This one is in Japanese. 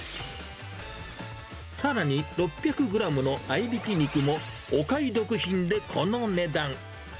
さらに、６００グラムの合いびき肉もお買い得品でこの値段。